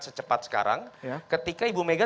secepat sekarang ketika ibu mega